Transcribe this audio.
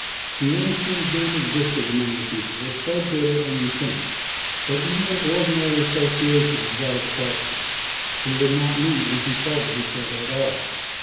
The enmity then existing among the people was so bitter and intense that even ordinary association was out of the question. They would not meet and consult with each other at all.